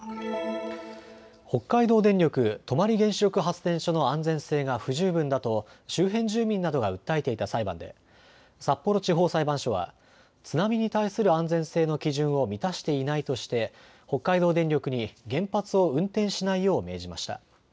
北海道電力泊原子力発電所の安全性が不十分だと周辺住民などが訴えていた裁判で札幌地方裁判所は津波に対する安全性の基準を満たしていないとして北海道電力に原発を運転しないよう命じました。